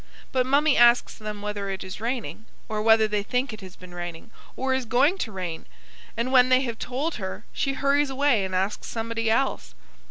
But Mummie asks them whether it is raining, or whether they think it has been raining, or is going to rain; and when they have told her, she hurries away and asks somebody else.